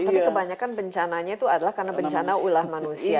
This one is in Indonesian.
tapi kebanyakan bencananya itu adalah karena bencana ulah manusia